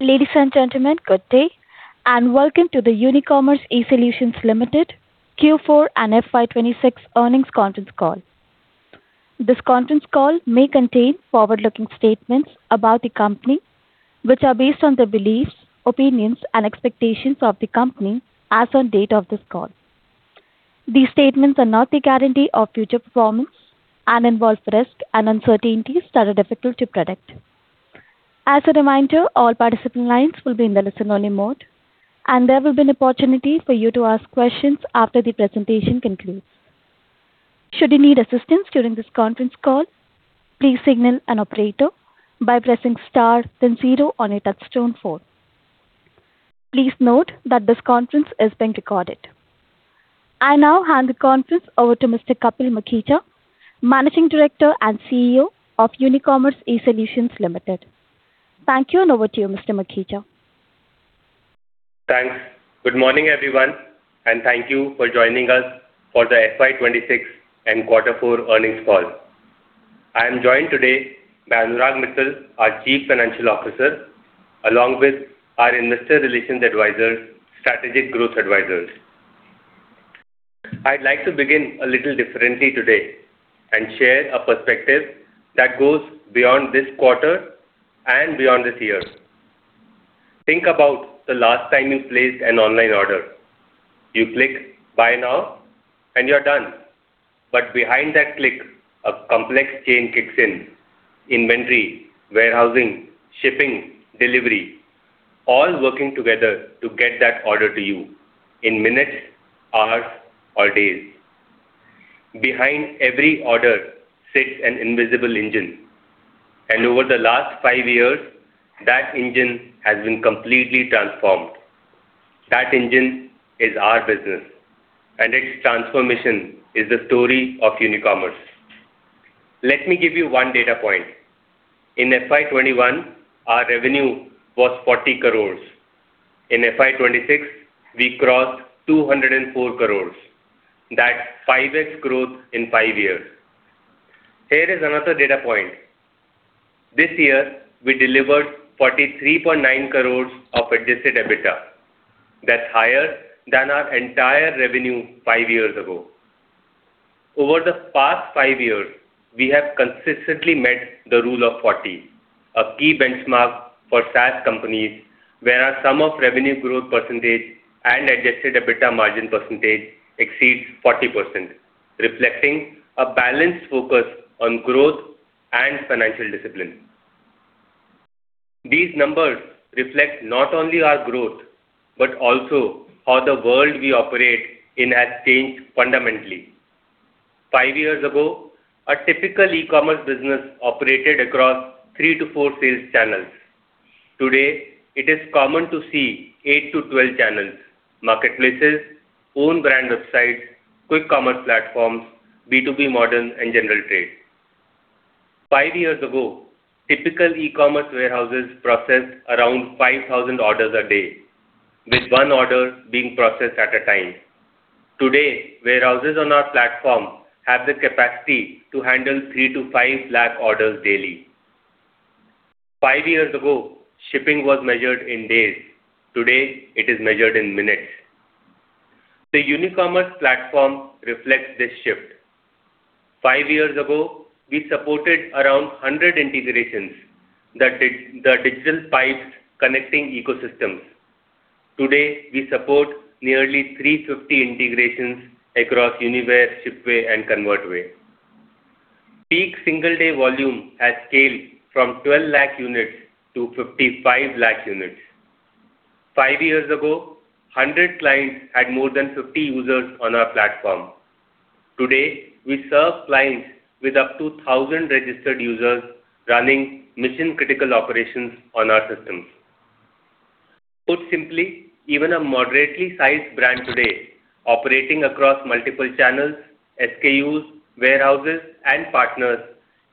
Ladies and gentlemen, good day, and welcome to the Unicommerce eSolutions Limited Q4 and FY 2026 earnings conference call. This conference call may contain forward-looking statements about the company, which are based on the beliefs, opinions and expectations of the company as on date of this call. These statements are not the guarantee of future performance and involve risks and uncertainties that are difficult to predict. As a reminder, all participant lines will be in the listen-only mode, and there will be an opportunity for you to ask questions after the presentation concludes. Should you need assistance during this conference call, please signal an operator by pressing star then zero on your touchtone phone. Please note that this conference is being recorded. I now hand the conference over to Mr. Kapil Makhija, Managing Director and CEO of Unicommerce eSolutions Limited. Thank you, and over to you, Mr. Makhija. Thanks. Good morning, everyone, and thank you for joining us for the FY 2026 and quarter four earnings call. I am joined today by Anurag Mittal, our Chief Financial Officer, along with our investor relations advisor, Strategic Growth Advisors. I'd like to begin a little differently today and share a perspective that goes beyond this quarter and beyond this year. Think about the last time you placed an online order. You click Buy Now, and you're done. But behind that click, a complex chain kicks in, inventory, warehousing, shipping, delivery, all working together to get that order to you in minutes, hours or days. Behind every order sits an invisible engine, and over the last five years, that engine has been completely transformed. That engine is our business, and its transformation is the story of Unicommerce. Let me give you one data point. In FY 2021, our revenue was 40 crore. In FY 2026, we crossed 204 crore. That's 5x growth in five years. Here is another data point. This year, we delivered 43.9 crore of adjusted EBITDA. That's higher than our entire revenue five years ago. Over the past five years, we have consistently met the Rule of 40, a key benchmark for SaaS companies where our sum of revenue growth percentage and adjusted EBITDA margin percentage exceeds 40%, reflecting a balanced focus on growth and financial discipline. These numbers reflect not only our growth, but also how the world we operate in has changed fundamentally. Five years ago, a typical e-commerce business operated across three to four sales channels. Today, it is common to see eight to 12 channels, marketplaces, own brand websites, quick commerce platforms, B2B models and general trade. Five years ago, typical e-commerce warehouses processed around 5,000 orders a day, with one order being processed at a time. Today, warehouses on our platform have the capacity to handle three to five lakh orders daily. Five years ago, shipping was measured in days. Today, it is measured in minutes. The Unicommerce platform reflects this shift. Five years ago, we supported around 100 integrations, the digital pipes connecting ecosystems. Today, we support nearly 350 integrations across Uniware, Shipway and Convertway. Peak single day volume has scaled from 12 lakh units to 55 lakh units. 5 years ago, 100 clients had more than 50 users on our platform. Today, we serve clients with up to 1,000 registered users running mission-critical operations on our systems. Put simply, even a moderately sized brand today operating across multiple channels, SKUs, warehouses, and partners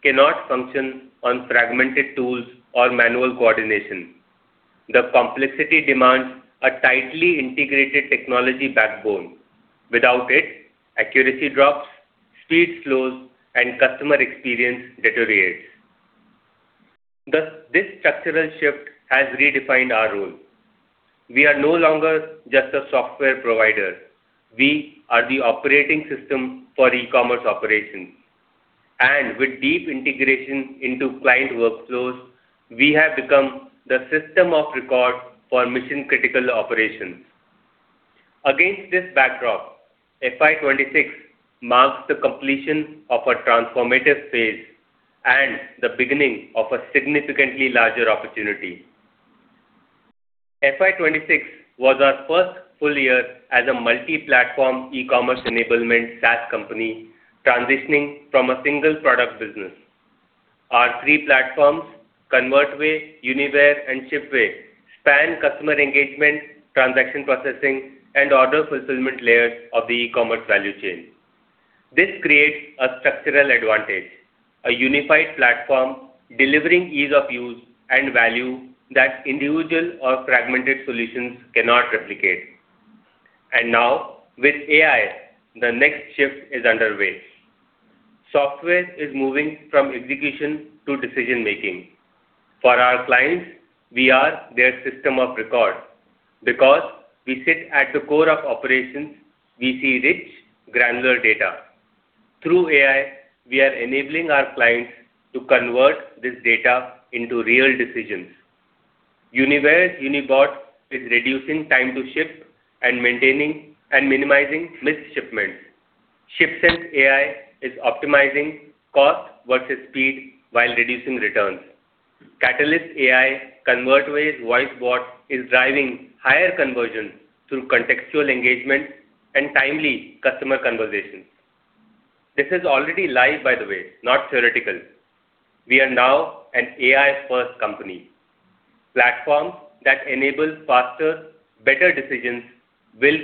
cannot function on fragmented tools or manual coordination. The complexity demands a tightly integrated technology backbone. Without it, accuracy drops, speed slows, and customer experience deteriorates. Thus, this structural shift has redefined our role. We are no longer just a software provider. We are the operating system for e-commerce operations, and with deep integration into client workflows, we have become the system of record for mission-critical operations. Against this backdrop, FY 2026 marks the completion of a transformative phase and the beginning of a significantly larger opportunity. FY 2026 was our first full year as a multi-platform e-commerce enablement SaaS company transitioning from a single product business. Our three platforms, Convertway, Uniware and Shipway, span customer engagement, transaction processing, and order fulfillment layers of the e-commerce value chain. This creates a structural advantage, a unified platform delivering ease of use and value that individual or fragmented solutions cannot replicate. Now with AI, the next shift is underway. Software is moving from execution to decision making. For our clients, we are their system of record. Because we sit at the core of operations, we see rich granular data. Through AI, we are enabling our clients to convert this data into real decisions. Uniware's UniBot is reducing time to ship and maintaining and minimizing missed shipments. ShipSense AI is optimizing cost versus speed while reducing returns. Catalyst AI Convertway's Voice Bot is driving higher conversion through contextual engagement and timely customer conversations. This is already live, by the way, not theoretical. We are now an AI-first company. Platforms that enable faster, better decisions will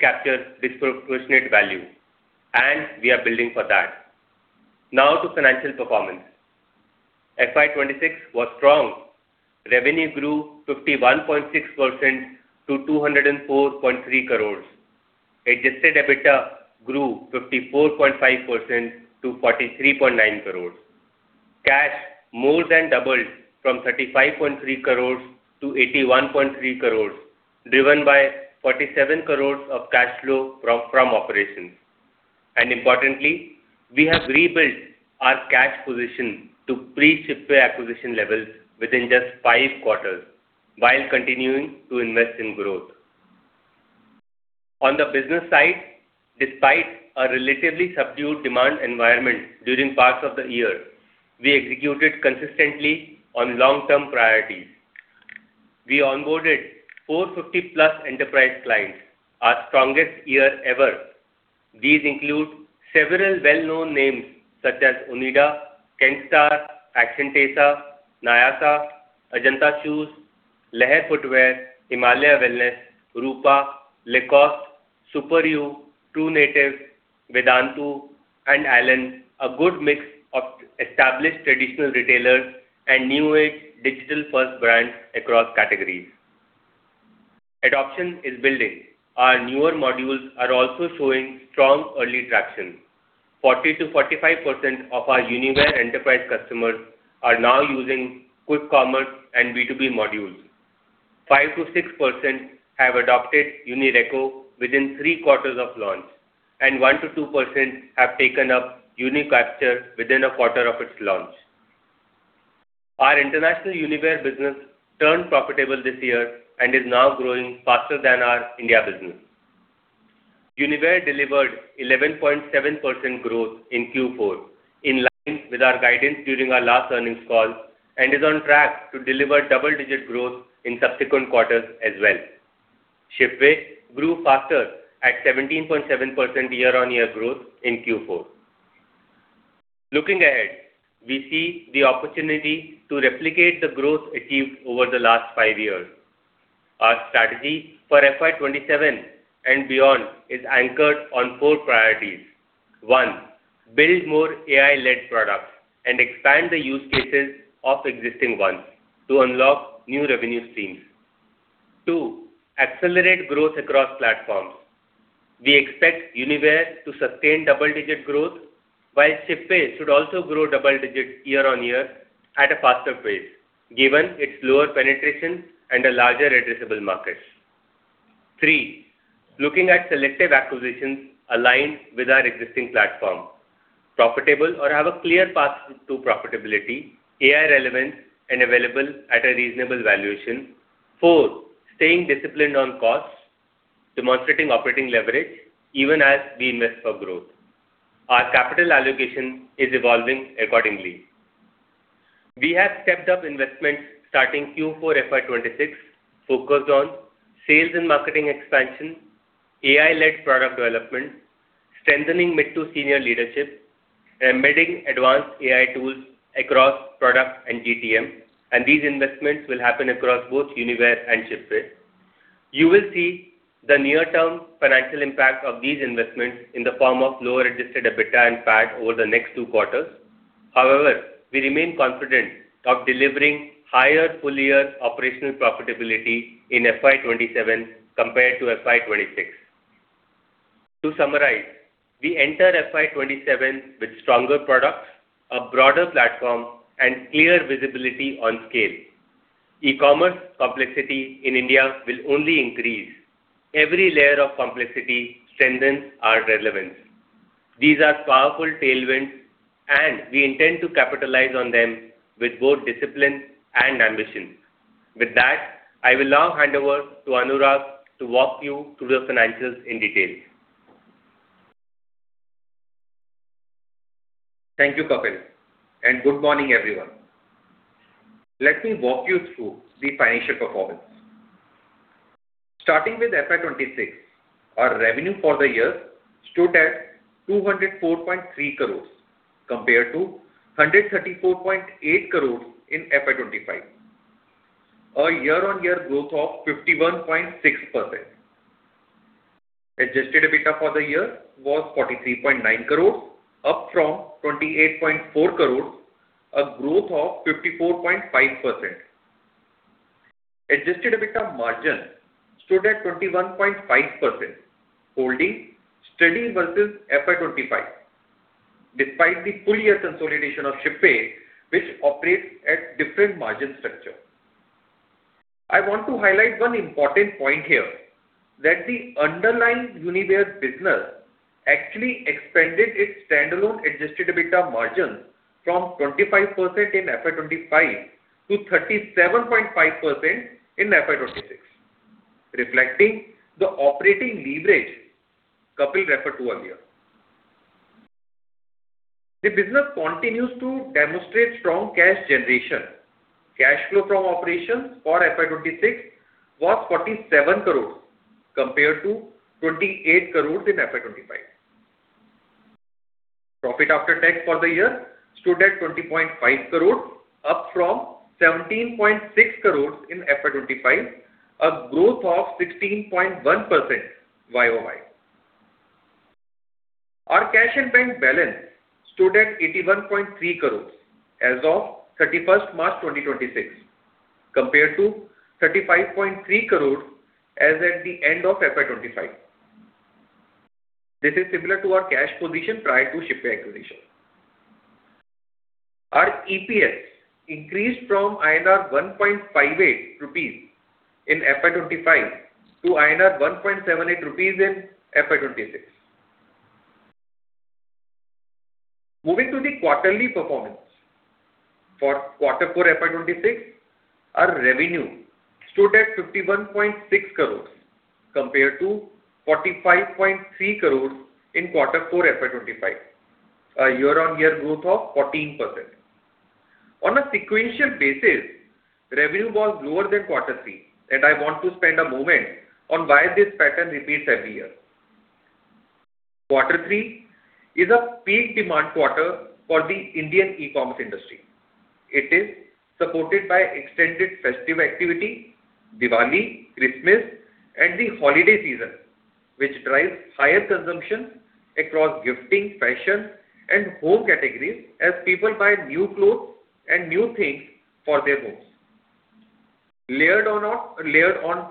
capture disproportionate value, and we are building for that. Now to financial performance. FY 2026 was strong. Revenue grew 51.6% to 204.3 crores. Adjusted EBITDA grew 54.5% to 43.9 crores. Cash more than doubled from 35.3 crores to 81.3 crores, driven by 47 crores of cash flow from operations. Importantly, we have rebuilt our cash position to pre-Shipway acquisition levels within just five quarters, while continuing to invest in growth. On the business side, despite a relatively subdued demand environment during parts of the year, we executed consistently on long-term priorities. We onboarded 450+ enterprise clients, our strongest year ever. These include several well-known names such as Onida, Kenstar, Action TESA, Nayasa, Ajanta Shoes, Lehar Footwear, Himalaya Wellness, Rupa, Lacoste, SuperYou, True Native, Vedantu, and Allen. A good mix of established traditional retailers and new age digital-first brands across categories. Adoption is building. Our newer modules are also showing strong early traction. 40%-45% of our Uniware enterprise customers are now using quick commerce and B2B modules. 5%-6% have adopted UniReco within three quarters of launch, and 1%-2% have taken up UniCapture within a quarter of its launch. Our international Uniware business turned profitable this year and is now growing faster than our India business. Uniware delivered 11.7% growth in Q4, in line with our guidance during our last earnings call, and is on track to deliver double-digit growth in subsequent quarters as well. Shipway grew faster at 17.7% year-on-year growth in Q4. Looking ahead, we see the opportunity to replicate the growth achieved over the last five years. Our strategy for FY 2027 and beyond is anchored on four priorities. One, build more AI-led products and expand the use cases of existing ones to unlock new revenue streams. Two, accelerate growth across platforms. We expect Uniware to sustain double-digit growth, while Shipway should also grow double digit year-on-year at a faster pace, given its lower penetration and a larger addressable market. Three, looking at selective acquisitions aligned with our existing platform, profitable or have a clear path to profitability, AI relevant and available at a reasonable valuation. Four, staying disciplined on costs, demonstrating operating leverage even as we invest for growth. Our capital allocation is evolving accordingly. We have stepped up investments starting Q4 FY 2026, focused on sales and marketing expansion, AI-led product development, strengthening mid to senior leadership, embedding advanced AI tools across product and GTM. These investments will happen across both Uniware and Shipway. You will see the near-term financial impact of these investments in the form of lower adjusted EBITDA and PAT over the next two quarters. However, we remain confident of delivering higher full-year operational profitability in FY 2027 compared to FY 2026. To summarize, we enter FY 2027 with stronger products, a broader platform, and clear visibility on scale. E-commerce complexity in India will only increase. Every layer of complexity strengthens our relevance. These are powerful tailwinds, and we intend to capitalize on them with both discipline and ambition. With that, I will now hand over to Anurag to walk you through the financials in detail. Thank you, Kapil, and good morning, everyone. Let me walk you through the financial performance. Starting with FY 2026, our revenue for the year stood at 204.3 crores compared to 134.8 crores in FY 2025, a year-on-year growth of 51.6%. Adjusted EBITDA for the year was 43.9 crores, up from 28.4 crores, a growth of 54.5%. Adjusted EBITDA margin stood at 21.5%, holding steady versus FY 2025, despite the full year consolidation of Shipway, which operates at different margin structure. I want to highlight one important point here, that the underlying Uniware business actually expanded its standalone adjusted EBITDA margin from 25% in FY 2025 to 37.5% in FY 2026, reflecting the operating leverage Kapil referred to earlier. The business continues to demonstrate strong cash generation. Cash flow from operations for FY 2026 was 47 crores compared to 28 crores in FY 2025. Profit after tax for the year stood at 20.5 crores, up from 17.6 crores in FY 2025, a growth of 16.1% YOY. Our cash and bank balance stood at 81.3 crores as of 31st March 2026, compared to 35.3 crore as at the end of FY 2025. This is similar to our cash position prior to Shipway acquisition. Our EPS increased from 1.58 rupees in FY 2025 to 1.78 rupees in FY 2026. Moving to the quarterly performance. For quarter four FY 2026, our revenue stood at 51.6 crores compared to 45.3 crores in quarter four FY 2025, a year-on-year growth of 14%. On a sequential basis, revenue was lower than quarter three, and I want to spend a moment on why this pattern repeats every year. Quarter three is a peak demand quarter for the Indian e-commerce industry. It is supported by extended festive activity, Diwali, Christmas, and the holiday season, which drives higher consumption across gifting, fashion, and home categories as people buy new clothes and new things for their homes. Layered on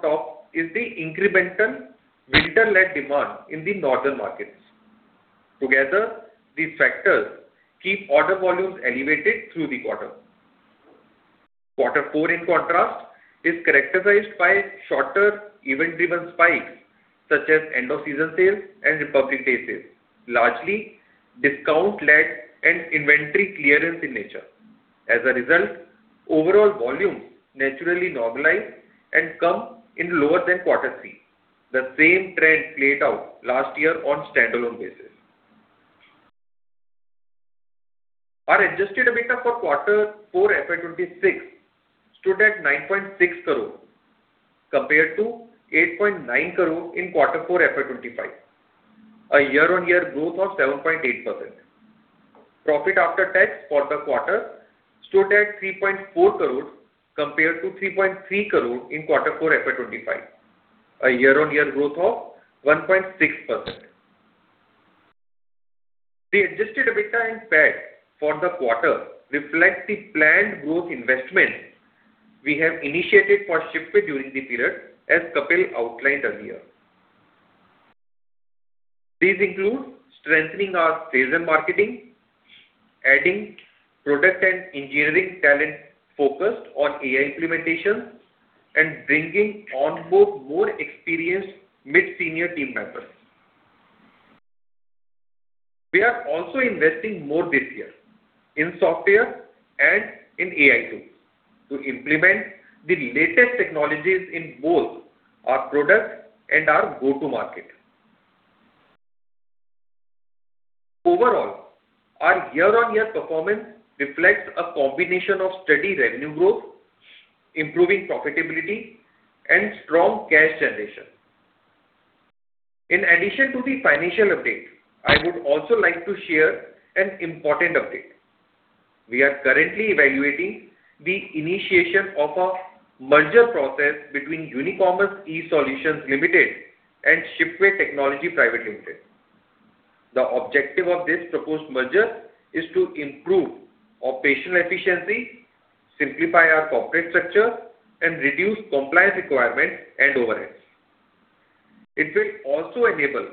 top is the incremental winter-led demand in the northern markets. Together, these factors keep order volumes elevated through the quarter. Quarter four, in contrast, is characterized by shorter event-driven spikes such as end of season sales and Republic Day sales, largely discount-led and inventory clearance in nature. As a result, overall volumes naturally normalize and come in lower than quarter three. The same trend played out last year on standalone basis. Our adjusted EBITDA for quarter four FY 2026 stood at 9.6 crore compared to 8.9 crore in quarter four FY 2025, a year-on-year growth of 7.8%. Profit after tax for the quarter stood at 3.4 crore compared to 3.3 crore in quarter four FY 2025, a year-on-year growth of 1.6%. The adjusted EBITDA and PAT for the quarter reflect the planned growth investment we have initiated for Shipway during the period, as Kapil outlined earlier. These include strengthening our sales and marketing, adding product and engineering talent focused on AI implementation, and bringing on board more experienced mid-senior team members. We are also investing more this year in software and in AI tools to implement the latest technologies in both our product and our go-to-market. Overall, our year-on-year performance reflects a combination of steady revenue growth, improving profitability, and strong cash generation. In addition to the financial update, I would also like to share an important update. We are currently evaluating the initiation of a merger process between Unicommerce eSolutions Limited and Shipway Technology Private Limited. The objective of this proposed merger is to improve operational efficiency, simplify our corporate structure, and reduce compliance requirements and overheads. It will also enable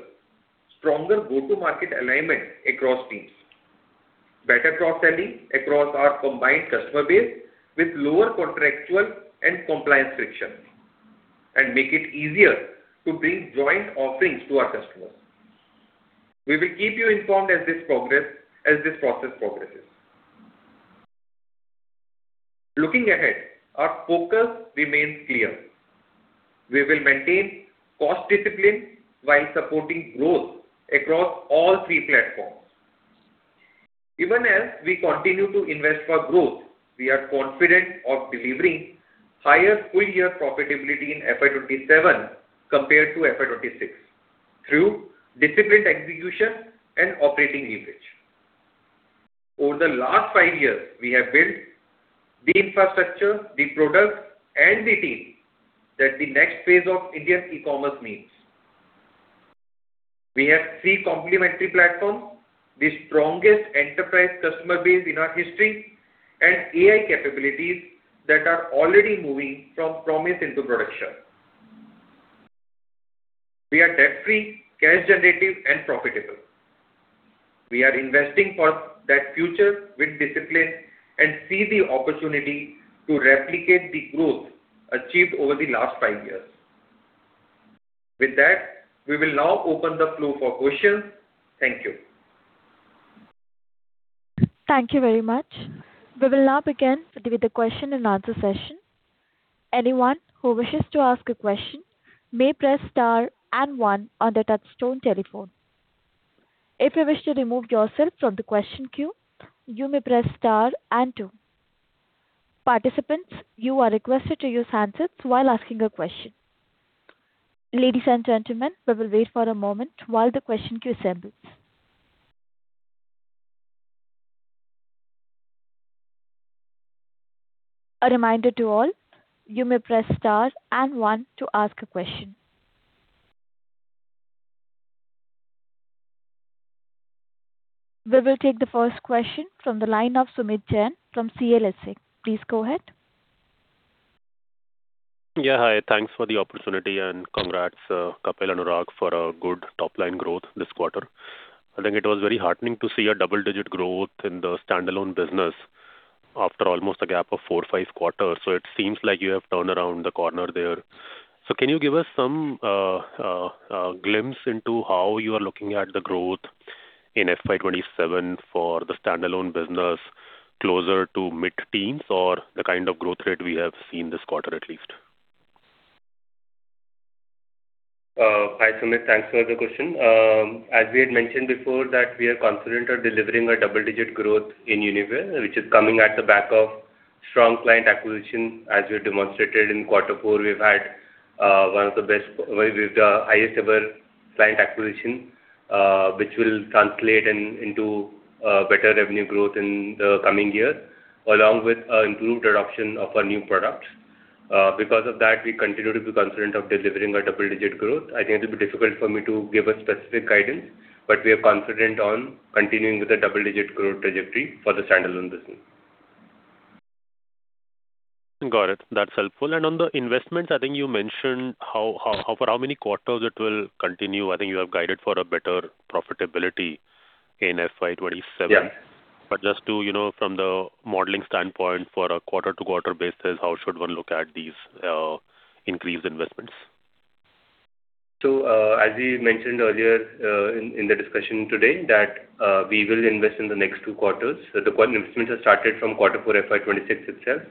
stronger go-to-market alignment across teams, better cross-selling across our combined customer base with lower contractual and compliance friction, and make it easier to bring joint offerings to our customers. We will keep you informed as this process progresses. Looking ahead, our focus remains clear. We will maintain cost discipline while supporting growth across all three platforms. Even as we continue to invest for growth, we are confident of delivering higher full-year profitability in FY 2027 compared to FY 2026 through disciplined execution and operating leverage. Over the last five years, we have built the infrastructure, the product, and the team that the next phase of India's e-commerce needs. We have three complementary platforms, the strongest enterprise customer base in our history, and AI capabilities that are already moving from promise into production. We are debt-free, cash generative, and profitable. We are investing for that future with discipline and see the opportunity to replicate the growth achieved over the last five years. With that, we will now open the floor for questions. Thank you. Thank you very much. We will now begin with the question and answer session. Anyone who wishes to ask a question may press star and one on their touchtone telephone. If you wish to remove yourself from the question queue, you may press star and two. Participants, you are requested to use handsets while asking a question. Ladies and gentlemen, we will wait for a moment while the question queue assembles. A reminder to all, you may press star and one to ask a question. We will take the first question from the line of Sumeet Jain from CLSA. Please go ahead. Yeah. Hi. Thanks for the opportunity, and congrats, Kapil and Anurag, for a good top-line growth this quarter. I think it was very heartening to see a double-digit growth in the standalone business after almost a gap of four, five quarters. It seems like you have turned the corner there. Can you give us some glimpse into how you are looking at the growth in FY 2027 for the standalone business closer to mid-teens or the kind of growth rate we have seen this quarter at least? Hi, Sumeet. Thanks for the question. As we had mentioned before that we are confident of delivering a double-digit growth in Uniware, which is coming at the back of strong client acquisition. As we demonstrated in quarter four, we've had the highest ever client acquisition, which will translate into better revenue growth in the coming year, along with improved adoption of our new products. Because of that, we continue to be confident of delivering a double-digit growth. I think it'll be difficult for me to give a specific guidance, but we are confident on continuing with the double-digit growth trajectory for the standalone business. Got it. That's helpful. On the investments, I think you mentioned for how many quarters it will continue. I think you have guided for a better profitability in FY 2027. Yeah. Just to, you know, from the modeling standpoint for a quarter-to-quarter basis, how should one look at these increased investments? As we mentioned earlier, in the discussion today that we will invest in the next two quarters. The investments have started from quarter four FY 2026 itself,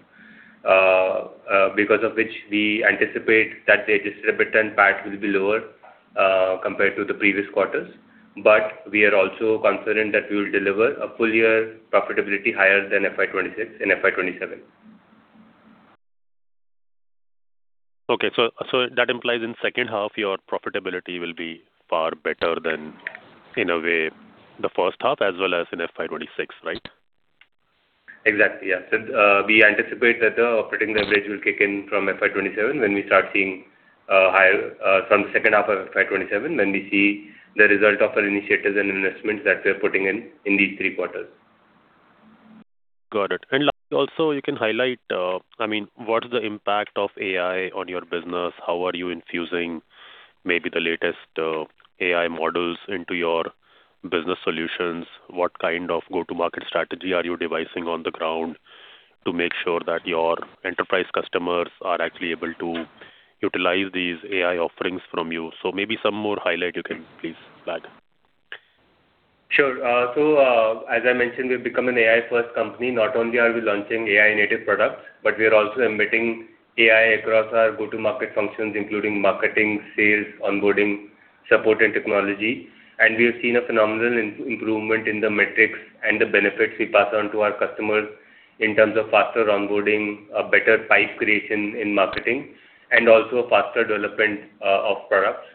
because of which we anticipate that the distributable PAT will be lower, compared to the previous quarters. We are also confident that we will deliver a full year profitability higher than FY 2026 in FY 2027. That implies in second half your profitability will be far better than in a way the first half as well as in FY 2026, right? Exactly, yeah. We anticipate that the operating leverage will kick in from FY 2027 when we start seeing higher from the second half of FY 2027, when we see the result of our initiatives and investments that we're putting in these three quarters. Got it. Lastly, also you can highlight, I mean, what is the impact of AI on your business? How are you infusing maybe the latest AI models into your business solutions? What kind of go-to-market strategy are you devising on the ground to make sure that your enterprise customers are actually able to utilize these AI offerings from you? Maybe some more highlight you can please flag. Sure. As I mentioned, we've become an AI-first company. Not only are we launching AI-native products, but we are also embedding AI across our go-to-market functions, including marketing, sales, onboarding, support, and technology. We have seen a phenomenal improvement in the metrics and the benefits we pass on to our customers in terms of faster onboarding, better pipeline creation in marketing, and also a faster development of products.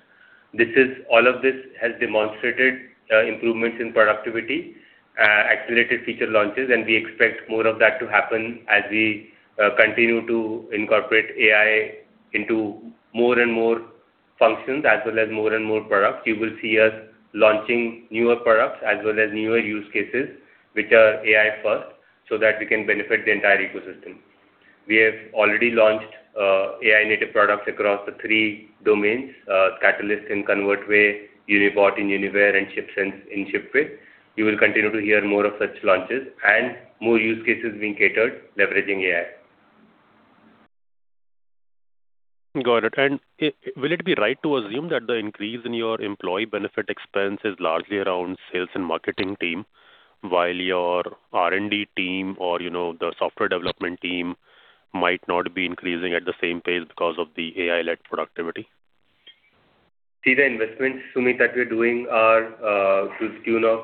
All of this has demonstrated improvements in productivity, accelerated feature launches, and we expect more of that to happen as we continue to incorporate AI into more and more functions as well as more and more products. You will see us launching newer products as well as newer use cases which are AI-first so that we can benefit the entire ecosystem. We have already launched AI-native products across the three domains, Catalyst in Convertway, UniBot in Uniware, and ShipSense in Shipway. You will continue to hear more of such launches and more use cases being catered leveraging AI. Got it. Will it be right to assume that the increase in your employee benefit expense is largely around sales and marketing team, while your R&D team or, you know, the software development team might not be increasing at the same pace because of the AI-led productivity? See, the investments, Sumeet, that we're doing are to the tune of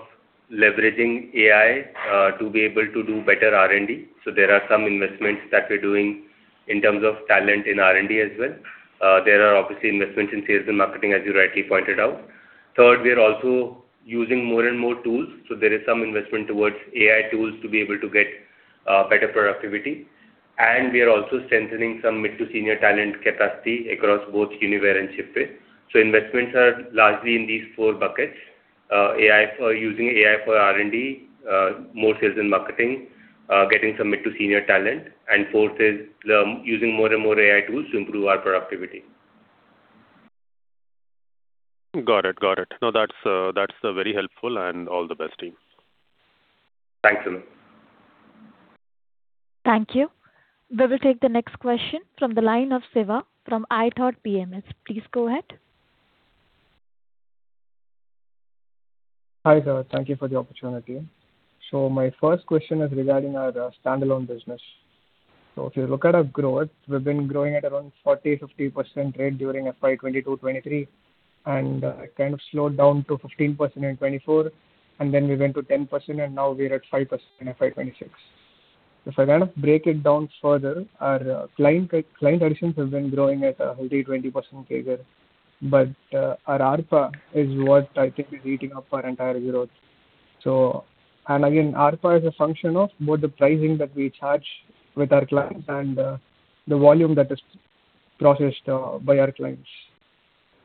leveraging AI to be able to do better R&D. There are some investments that we're doing in terms of talent in R&D as well. There are obviously investments in sales and marketing, as you rightly pointed out. Third, we are also using more and more tools, so there is some investment towards AI tools to be able to get better productivity. We are also strengthening some mid to senior talent capacity across both Uniware and Shipway. Investments are largely in these four buckets. AI for using AI for R&D, more sales and marketing, getting some mid to senior talent, and fourth is the using more and more AI tools to improve our productivity. Got it. No, that's very helpful. All the best, team. Thanks, Sumeet. Thank you. We will take the next question from the line of Sekhar from iThought PMS. Please go ahead. Hi, sir. Thank you for the opportunity. My first question is regarding our standalone business. If you look at our growth, we've been growing at around 40%-50% rate during FY 2022, 2023, and kind of slowed down to 15% in 2024, and then we went to 10%, and now we're at 5% in FY 2026. If I kind of break it down further, our client additions have been growing at a healthy 20% figure. Our ARPA is what I think is eating up our entire growth. ARPA is a function of both the pricing that we charge with our clients and the volume that is processed by our clients.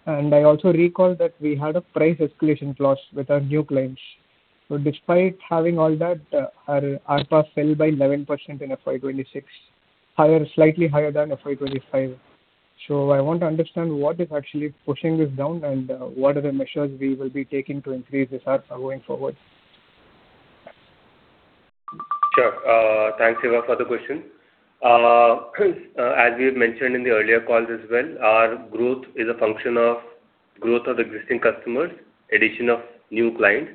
I also recall that we had a price escalation clause with our new clients. Despite having all that, our ARPA fell by 11% in FY 2026, higher, slightly higher than FY 2025. I want to understand what is actually pushing this down and what are the measures we will be taking to increase this ARPA going forward. Sure. Thanks, Sekhar, for the question. As we've mentioned in the earlier calls as well, our growth is a function of growth of existing customers, addition of new clients.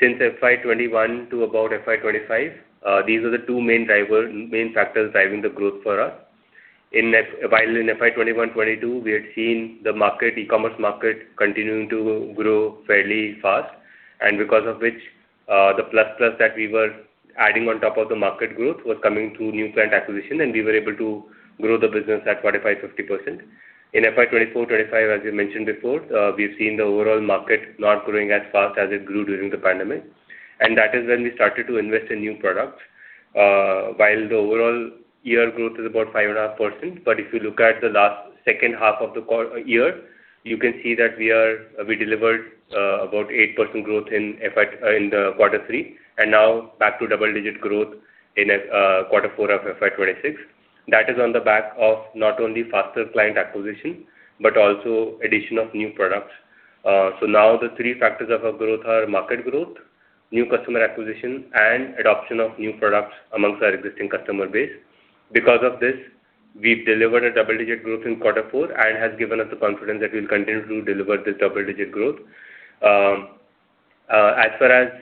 Since FY 2021 to about FY 2025, these are the two main factors driving the growth for us. In FY 2021, 2022, we had seen the market, e-commerce market continuing to grow fairly fast, and because of which, the plus that we were adding on top of the market growth was coming through new client acquisition, and we were able to grow the business at 45%-50%. In FY 2024, 2025, as you mentioned before, we've seen the overall market not growing as fast as it grew during the pandemic. That is when we started to invest in new products. While the overall year growth is about 5.5%, but if you look at the latter half of the fiscal year, you can see that we delivered about 8% growth in quarter three, and now back to double-digit growth in quarter four of FY 2026. That is on the back of not only faster client acquisition, but also addition of new products. Now the three factors of our growth are market growth, new customer acquisition, and adoption of new products amongst our existing customer base. Because of this, we've delivered a double-digit growth in quarter four and has given us the confidence that we'll continue to deliver the double-digit growth. As far as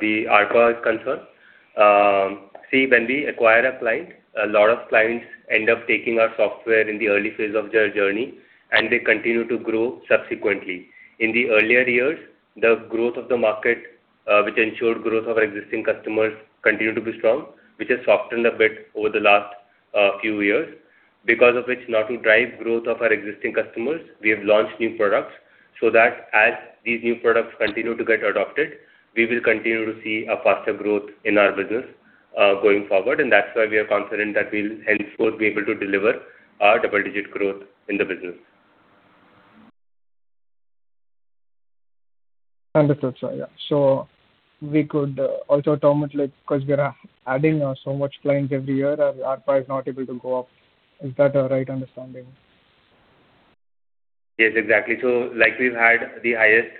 the ARPA is concerned, see, when we acquire a client, a lot of clients end up taking our software in the early phase of their journey, and they continue to grow subsequently. In the earlier years, the growth of the market, which ensured growth of our existing customers continued to be strong, which has softened a bit over the last few years. Because of which, now to drive growth of our existing customers, we have launched new products so that as these new products continue to get adopted, we will continue to see a faster growth in our business, going forward. That's why we are confident that we'll henceforth be able to deliver our double-digit growth in the business. Understood, sir. Yeah. We could also term it like 'cause we are adding so much clients every year, our ARPA is not able to go up. Is that a right understanding? Yes, exactly. Like we've had the highest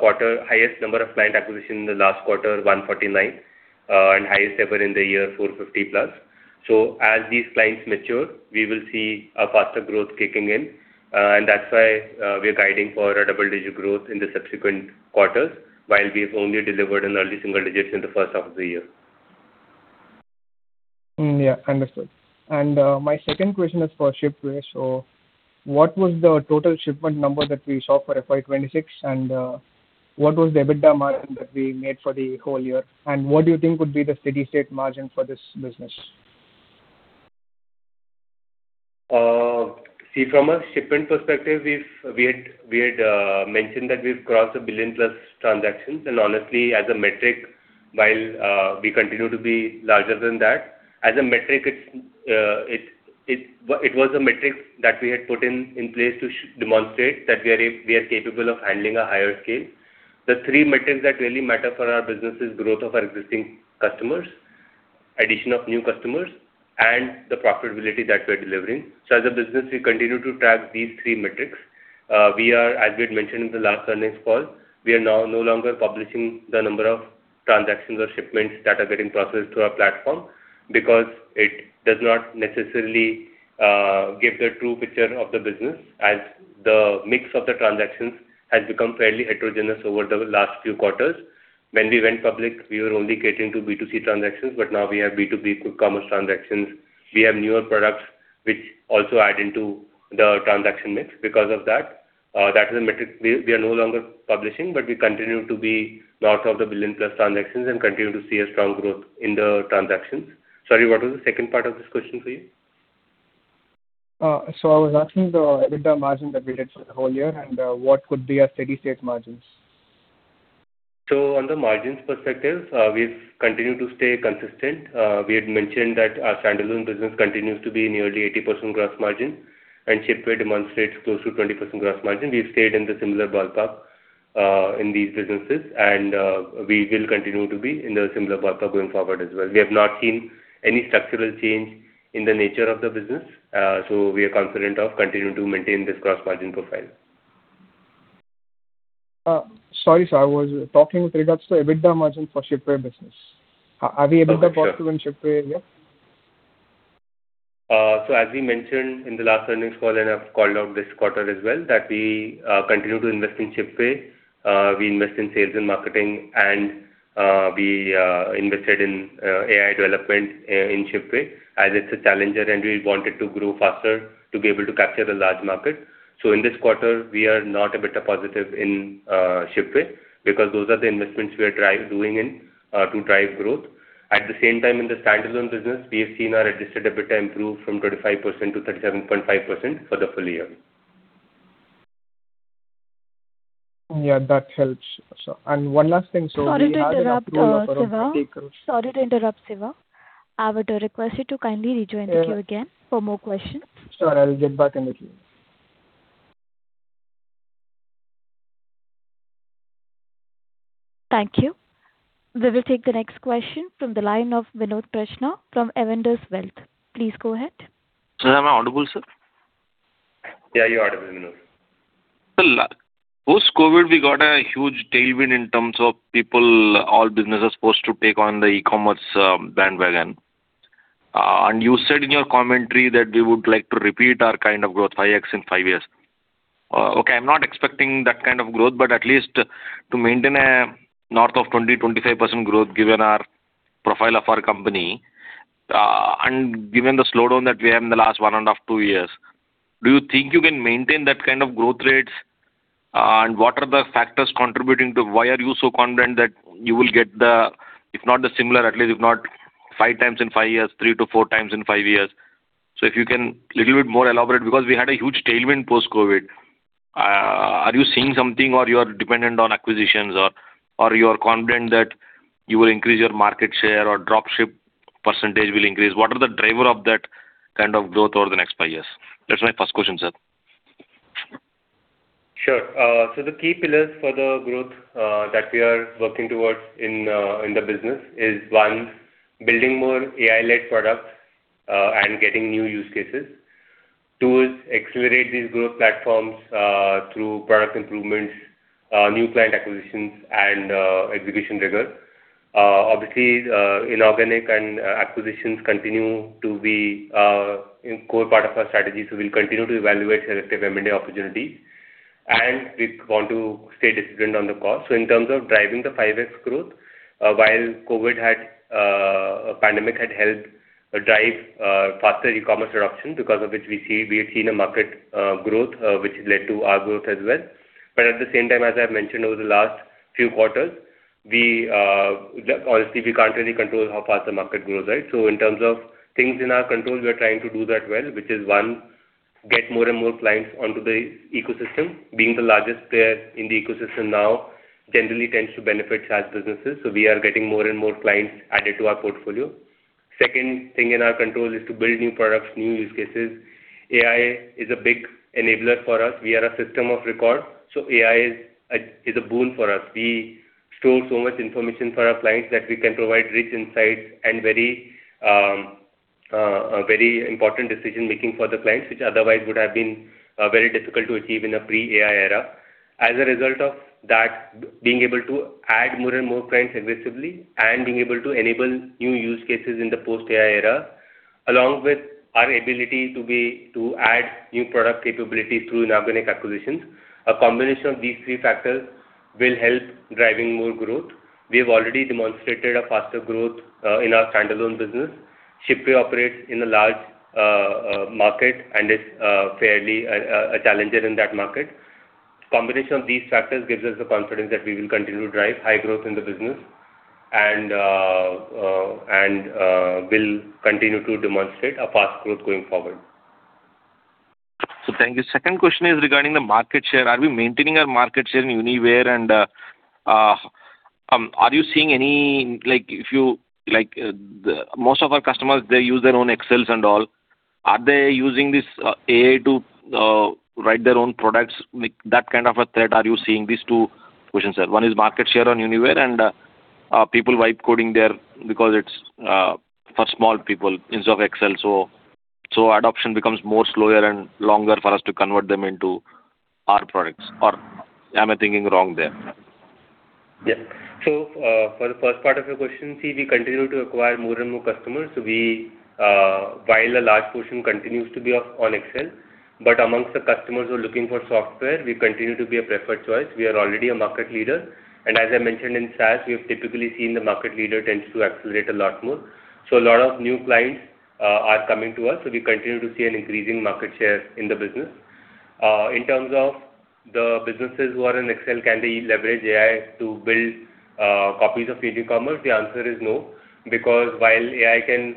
quarter, highest number of client acquisition in the last quarter, 149, and highest ever in the year, 450+. As these clients mature, we will see a faster growth kicking in. That's why we're guiding for a double-digit growth in the subsequent quarters, while we've only delivered in early single digits in the first half of the year. Understood. My second question is for Shipway. What was the total shipment number that we saw for FY 2026? What was the EBITDA margin that we made for the whole year? What do you think would be the steady-state margin for this business? See, from a shipment perspective, we had mentioned that we've crossed 1 billion-plus transactions. Honestly, as a metric, while we continue to be larger than that, as a metric, it was a metric that we had put in place to demonstrate that we are capable of handling a higher scale. The three metrics that really matter for our business is growth of our existing customers, addition of new customers, and the profitability that we're delivering. As a business, we continue to track these three metrics. We are, as we had mentioned in the last earnings call, we are now no longer publishing the number of transactions or shipments that are getting processed through our platform because it does not necessarily give the true picture of the business as the mix of the transactions has become fairly heterogeneous over the last few quarters. When we went public, we were only catering to B2C transactions, but now we have B2B quick commerce transactions. We have newer products which also add into the transaction mix. Because of that is a metric we are no longer publishing, but we continue to be north of 1 billion-plus transactions and continue to see a strong growth in the transactions. Sorry, what was the second part of this question for you? I was asking the EBITDA margin that we did for the whole year and what could be our steady-state margins. On the margins perspective, we've continued to stay consistent. We had mentioned that our standalone business continues to be nearly 80% gross margin, and Shipway demonstrates close to 20% gross margin. We've stayed in the similar ballpark in these businesses and, we will continue to be in a similar ballpark going forward as well. We have not seen any structural change in the nature of the business. We are confident of continuing to maintain this gross margin profile. Sorry, sir. I was talking with regards to EBITDA margin for Shipway business. Are we- Okay. Sure. EBITDA positive in Shipway yet? As we mentioned in the last earnings call, and I've called out this quarter as well, that we continue to invest in Shipway. We invest in sales and marketing and invested in AI development in Shipway as it's a challenger and we want it to grow faster to be able to capture the large market. In this quarter, we are not EBITDA positive in Shipway because those are the investments we are doing in to drive growth. At the same time, in the standalone business, we have seen our adjusted EBITDA improve from 25% to 37.5% for the full year. Yeah, that helps. One last thing. We had- Sorry to interrupt, Sekhar. I would request you to kindly rejoin the queue again for more questions. Sure. I'll get back in the queue. Thank you. We will take the next question from the line of Vinod Krishna from Avendus Wealth. Please go ahead. Sir, am I audible, sir? Yeah, you're audible, Vinod. Sir, post-COVID, we got a huge tailwind in terms of people, all businesses supposed to take on the e-commerce bandwagon. You said in your commentary that we would like to repeat our kind of growth, 5x in five years. Okay, I'm not expecting that kind of growth, but at least to maintain a north of 20%-25% growth given our profile of our company, and given the slowdown that we have in the last 1.5-2 years. Do you think you can maintain that kind of growth rates? What are the factors contributing to why are you so confident that you will get the If not the similar, at least if not 5x in five years, 3x-4x in five years. If you can little bit more elaborate, because we had a huge tailwind post-COVID. Are you seeing something or you are dependent on acquisitions or you are confident that you will increase your market share or drop ship percentage will increase? What are the driver of that kind of growth over the next five years? That's my first question, sir. Sure. So the key pillars for the growth that we are working towards in the business is one, building more AI-led products and getting new use cases. Two is accelerate these growth platforms through product improvements, new client acquisitions and execution rigor. Obviously, inorganic and acquisitions continue to be a core part of our strategy, so we'll continue to evaluate selective M&A opportunities. We want to stay disciplined on the cost. In terms of driving the 5x growth, while COVID pandemic had helped drive faster e-commerce adoption because of which we have seen a market growth which led to our growth as well. At the same time, as I've mentioned over the last few quarters, we obviously can't really control how fast the market grows, right? In terms of things in our control, we are trying to do that well, which is, one, get more and more clients onto the ecosystem. Being the largest player in the ecosystem now generally tends to benefit SaaS businesses, so we are getting more and more clients added to our portfolio. Second thing in our control is to build new products, new use cases. AI is a big enabler for us. We are a system of record, so AI is a boon for us. We store so much information for our clients that we can provide rich insights and very important decision-making for the clients, which otherwise would have been very difficult to achieve in a pre-AI era. As a result of that, being able to add more and more clients aggressively and being able to enable new use cases in the post-AI era, along with our ability to add new product capabilities through inorganic acquisitions, a combination of these three factors will help driving more growth. We have already demonstrated a faster growth in our standalone business. Shipway operates in a large market and is fairly a challenger in that market. Combination of these factors gives us the confidence that we will continue to drive high growth in the business and will continue to demonstrate a fast growth going forward. Thank you. Second question is regarding the market share. Are we maintaining our market share in Uniware and are you seeing any? Like, most of our customers, they use their own Excels and all. Are they using this AI to write their own products? Like that kind of a threat, are you seeing these two questions, sir? One is market share on Uniware and people writing code there because it's for small people instead of Excel. So adoption becomes more slower and longer for us to convert them into our products. Or am I thinking wrong there? For the first part of your question, we continue to acquire more and more customers. While a large portion continues to be on Excel, but amongst the customers who are looking for software, we continue to be a preferred choice. We are already a market leader. As I mentioned in SaaS, we have typically seen the market leader tends to accelerate a lot more. A lot of new clients are coming to us. We continue to see an increasing market share in the business. In terms of the businesses who are in Excel, can they leverage AI to build copies for e-commerce? The answer is no. Because while AI can,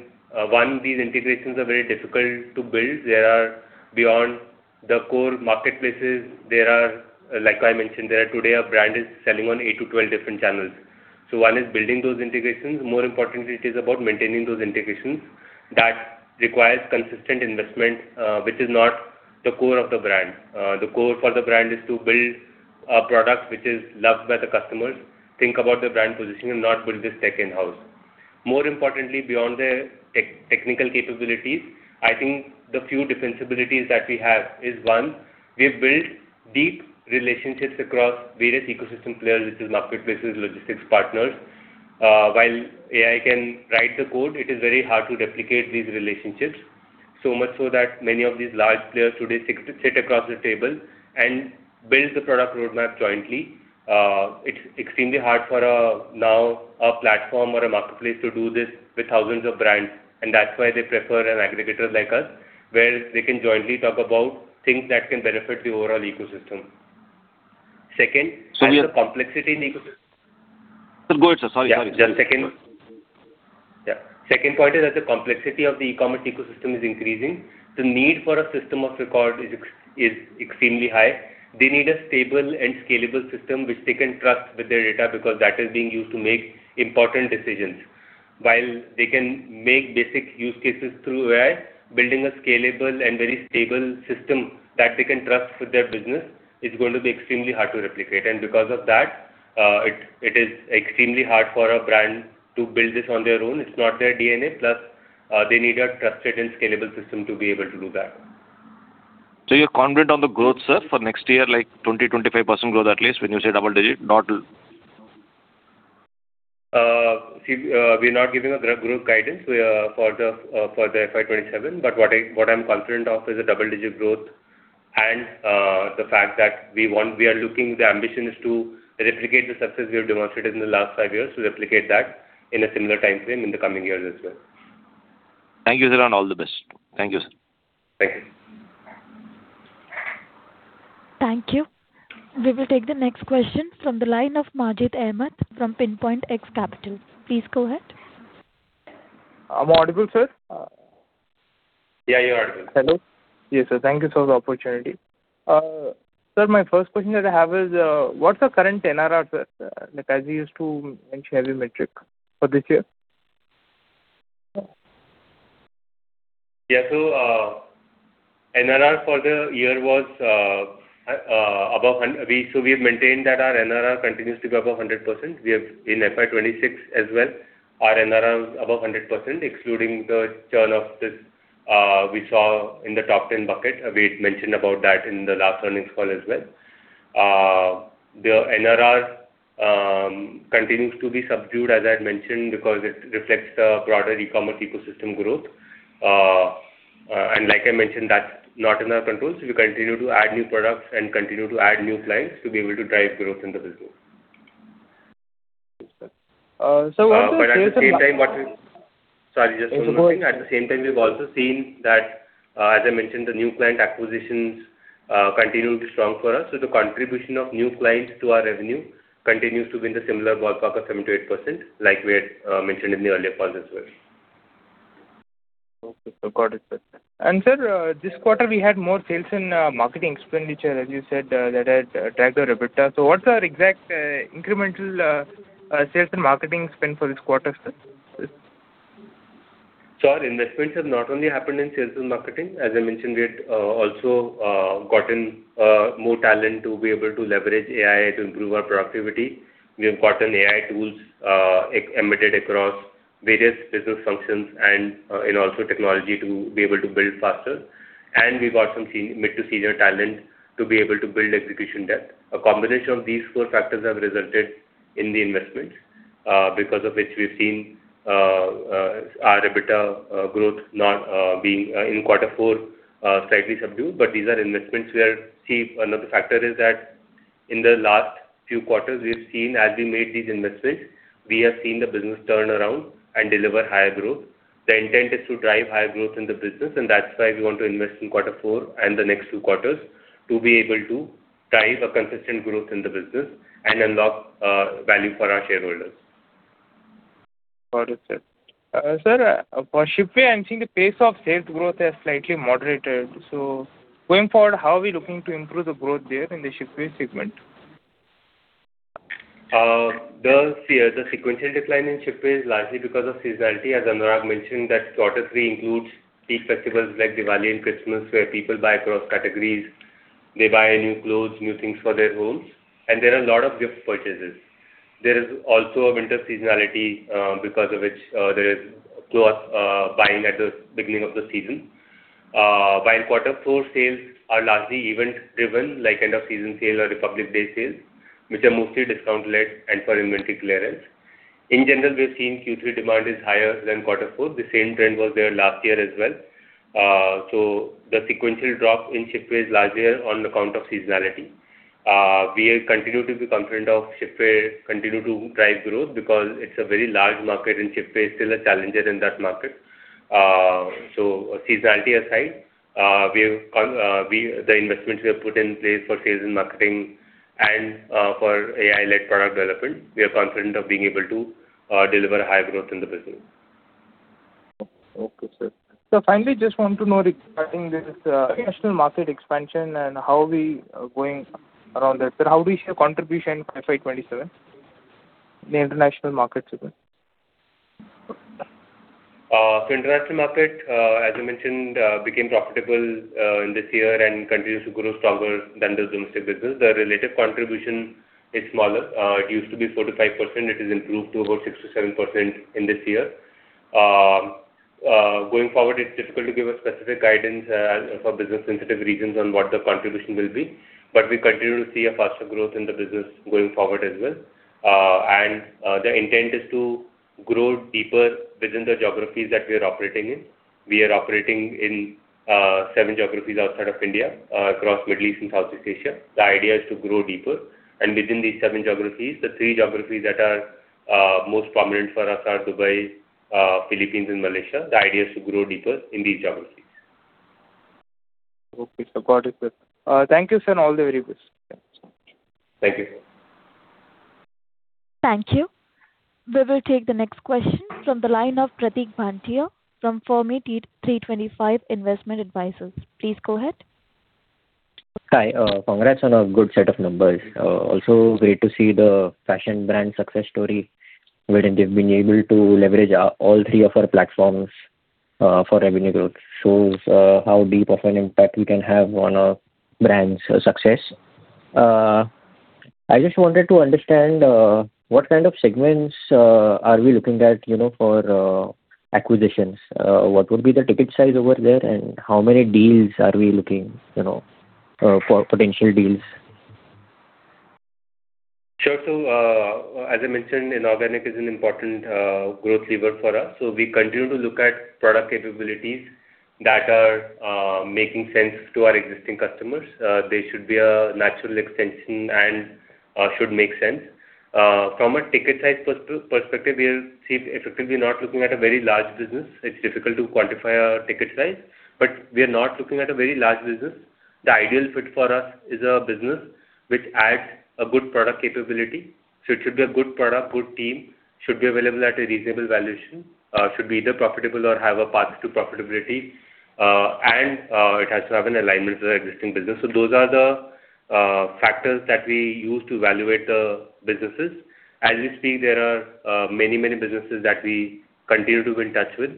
one, these integrations are very difficult to build. Beyond the core marketplaces, like I mentioned, today a brand is selling on eight to 12 different channels. One is building those integrations. More importantly, it is about maintaining those integrations. That requires consistent investment, which is not the core of the brand. The core for the brand is to build a product which is loved by the customers, think about the brand positioning, and not build this tech in-house. More importantly, beyond the technical capabilities, I think the few defensibilities that we have is, one, we've built deep relationships across various ecosystem players, which is marketplaces, logistics partners. While AI can write the code, it is very hard to replicate these relationships. So much so that many of these large players today sit across the table and build the product roadmap jointly. It's extremely hard for a... now a platform or a marketplace to do this with thousands of brands, and that's why they prefer an aggregator like us, where they can jointly talk about things that can benefit the overall ecosystem. Second, as the complexity in the ecosystem Sir, go ahead, sir. Sorry, sorry. Second point is, as the complexity of the e-commerce ecosystem is increasing, the need for a system of record is extremely high. They need a stable and scalable system which they can trust with their data because that is being used to make important decisions. While they can make basic use cases through AI, building a scalable and very stable system that they can trust with their business is going to be extremely hard to replicate. Because of that, it is extremely hard for a brand to build this on their own. It's not their DNA, plus, they need a trusted and scalable system to be able to do that. You're confident on the growth, sir, for next year, like 20%-25% growth at least when you say double digit, not- We are not giving a growth guidance for the FY 2027. What I'm confident of is a double-digit growth and the fact that we are looking. The ambition is to replicate the success we have demonstrated in the last five years, to replicate that in a similar timeframe in the coming years as well. Thank you, sir, and all the best. Thank you, sir. Thank you. Thank you. We will take the next question from the line of Majid Ahamed from PinPoint X Capital. Please go ahead. Am I audible, sir? Yeah, you're audible. Hello. Yes, sir. Thank you for the opportunity. Sir, my first question that I have is, what's the current NRR, sir? Like, as you used to mention every metric for this year. Yeah. NRR for the year was above 100%. We've maintained that our NRR continues to be above 100%. We have, in FY 2026 as well, our NRR was above 100%, excluding the churn of this we saw in the top ten bucket. We had mentioned about that in the last earnings call as well. The NRR continues to be subdued, as I had mentioned, because it reflects the broader e-commerce ecosystem growth. Like I mentioned, that's not in our control. We continue to add new products and continue to add new clients to be able to drive growth in the business. Yes, sir. Also sales and ma- Sorry, just one more thing. It's okay. At the same time, we've also seen that, as I mentioned, the new client acquisitions continue to be strong for us. The contribution of new clients to our revenue continues to be in the similar ballpark of 7%-8%, like we had mentioned in the earlier calls as well. Okay, sir. Got it, sir. Sir, this quarter we had more sales and marketing expenditure, as you said, that had dragged the EBITDA. What's our exact incremental sales and marketing spend for this quarter, sir? Our investments have not only happened in sales and marketing. As I mentioned, we had also gotten more talent to be able to leverage AI to improve our productivity. We have gotten AI tools embedded across various business functions and also in technology to be able to build faster. We got some mid to senior talent to be able to build execution depth. A combination of these four factors have resulted in the investments because of which we've seen our EBITDA growth not being in quarter four slightly subdued, but these are investments we are making. Another factor is that in the last few quarters, we've seen, as we made these investments, we have seen the business turn around and deliver higher growth. The intent is to drive higher growth in the business, and that's why we want to invest in quarter four and the next two quarters to be able to drive a consistent growth in the business and unlock value for our shareholders. Got it, sir. For Shipway, I'm seeing the pace of sales growth has slightly moderated. Going forward, how are we looking to improve the growth there in the Shipway segment? The sequential decline in Shipway is largely because of seasonality. As Anurag mentioned, that quarter three includes peak festivals like Diwali and Christmas, where people buy across categories. They buy new clothes, new things for their homes, and there are a lot of gift purchases. There is also a winter seasonality, because of which, there is clothes buying at the beginning of the season. While in quarter four, sales are largely event-driven, like end of season sale or Republic Day sale, which are mostly discount-led and for inventory clearance. In general, we've seen Q3 demand is higher than quarter four. The same trend was there last year as well. The sequential drop in Shipway is largely on account of seasonality. We continue to be confident of Shipway continue to drive growth because it's a very large market, and Shipway is still a challenger in that market. Seasonality aside, the investments we have put in place for sales and marketing and for AI-led product development, we are confident of being able to deliver high growth in the business. Okay, sir. Finally, I just want to know regarding this, international market expansion and how we are going around that. How do we see a contribution in FY 2027 in the international markets as well? International market, as I mentioned, became profitable in this year and continues to grow stronger than the domestic business. The relative contribution is smaller. It used to be 4%-5%. It has improved to about 6%-7% in this year. Going forward, it's difficult to give a specific guidance for business-sensitive reasons on what the contribution will be, but we continue to see a faster growth in the business going forward as well. The intent is to grow deeper within the geographies that we are operating in. We are operating in seven geographies outside of India, across Middle East and Southeast Asia. The idea is to grow deeper. Within these seven geographies, the three geographies that are most prominent for us are Dubai, Philippines and Malaysia. The idea is to grow deeper in these geographies. Okay, sir. Got it, sir. Thank you, sir, and all the very best. Thank you. Thank you. We will take the next question from the line of Pratik Banthia from Fermi325 Investment Advisors. Please go ahead. Hi. Congrats on a good set of numbers. Also great to see the fashion brand success story wherein they've been able to leverage all three of our platforms for revenue growth, shows how deep of an impact we can have on a brand's success. I just wanted to understand what kind of segments are we looking at, you know, for acquisitions? What would be the ticket size over there, and how many deals are we looking, you know, for potential deals? Sure. As I mentioned, inorganic is an important growth lever for us. We continue to look at product capabilities that are making sense to our existing customers. They should be a natural extension and should make sense. From a ticket size perspective, we are effectively not looking at a very large business. It's difficult to quantify our ticket size, but we are not looking at a very large business. The ideal fit for us is a business which adds a good product capability. It should be a good product, good team, should be available at a reasonable valuation, should be either profitable or have a path to profitability, and it has to have an alignment with our existing business. Those are the factors that we use to evaluate the businesses. As we speak, there are many businesses that we continue to be in touch with.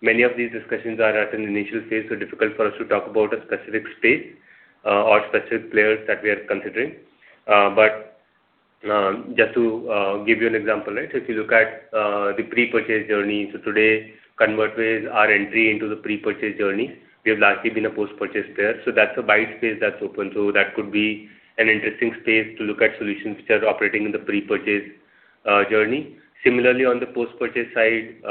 Many of these discussions are at an initial phase, so difficult for us to talk about a specific space or specific players that we are considering. Just to give you an example, right? If you look at the pre-purchase journey, today Convertway is our entry into the pre-purchase journey. We have largely been a post-purchase player. That's a wide space that's open. That could be an interesting space to look at solutions which are operating in the pre-purchase journey. Similarly, on the post-purchase side,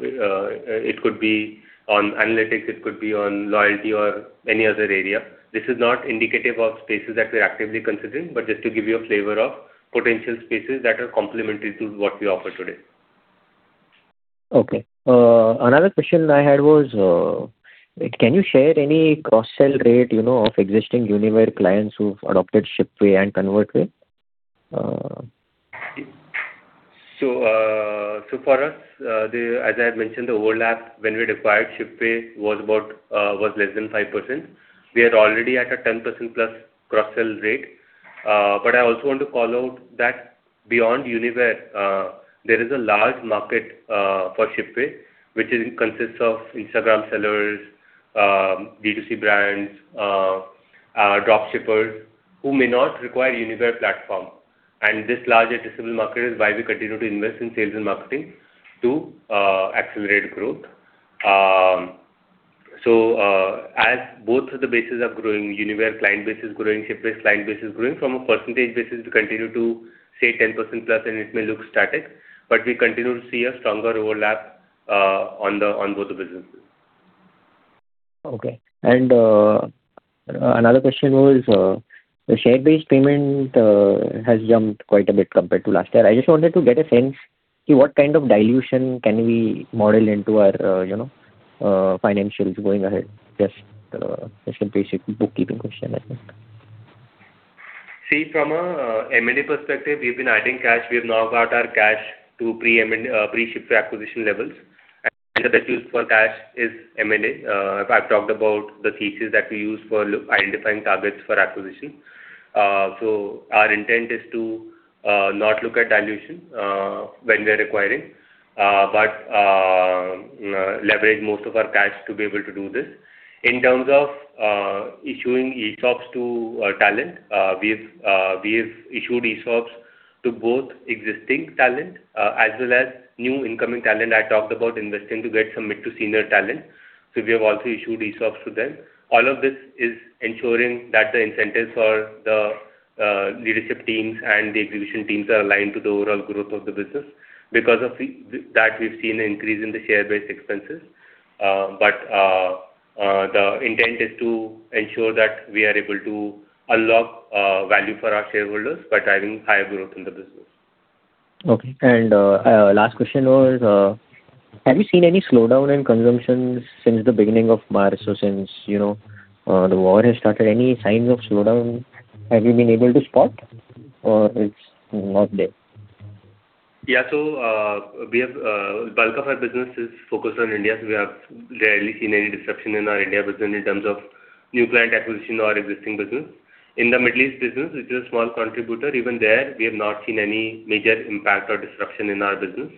it could be on analytics, it could be on loyalty or any other area. This is not indicative of spaces that we're actively considering, but just to give you a flavor of potential spaces that are complementary to what we offer today. Okay. Another question I had was, can you share any cross-sell rate, you know, of existing Uniware clients who've adopted Shipway and Convertway? For us, as I had mentioned, the overlap when we acquired Shipway was less than 5%. We are already at a 10%+ cross-sell rate. But I also want to call out that beyond Uniware, there is a large market for Shipway, which consists of Instagram sellers, B2C brands, dropshippers who may not require Uniware platform. This larger addressable market is why we continue to invest in sales and marketing to accelerate growth. As both of the bases are growing, Uniware client base is growing, Shipway's client base is growing. From a percentage basis, we continue to say 10%+, and it may look static, but we continue to see a stronger overlap on both the businesses. Okay. Another question was the share-based payment has jumped quite a bit compared to last year. I just wanted to get a sense, see what kind of dilution can we model into our, you know, financials going ahead. Just a basic bookkeeping question, I think. See, from a M&A perspective, we've been adding cash. We have now got our cash to pre-Shipway acquisition levels. The best use for cash is M&A. I've talked about the thesis that we use for identifying targets for acquisition. Our intent is to not look at dilution when we are acquiring but leverage most of our cash to be able to do this. In terms of issuing ESOPs to our talent, we've issued ESOPs to both existing talent as well as new incoming talent. I talked about investing to get some mid to senior talent. We have also issued ESOPs to them. All of this is ensuring that the incentives for the leadership teams and the acquisition teams are aligned to the overall growth of the business. Because of that, we've seen an increase in the share-based expenses. The intent is to ensure that we are able to unlock value for our shareholders by driving higher growth in the business. Okay. Last question was, have you seen any slowdown in consumption since the beginning of March or since, you know, the war has started? Any signs of slowdown, have you been able to spot, or it's not there? Yeah. We have bulk of our business is focused on India, so we have rarely seen any disruption in our India business in terms of new client acquisition or existing business. In the Middle East business, which is a small contributor, even there, we have not seen any major impact or disruption in our business.